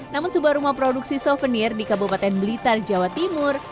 namun sebuah rumah produksi souvenir di kabupaten blitar jawa timur